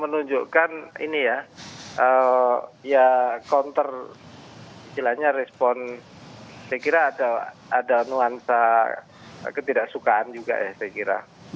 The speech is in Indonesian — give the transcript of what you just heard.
menunjukkan ini ya counter istilahnya respon saya kira ada nuansa ketidaksukaan juga ya saya kira